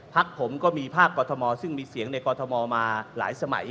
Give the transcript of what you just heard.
พักผมก็มีภาคกฎมอต์ซึ่งมีเสียงในกฎมอต์มาหลายสมัย